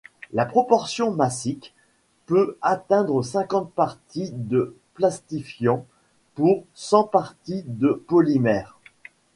La proportion massique peut atteindre cinquante parties de plastifiant pour cent parties de polymère.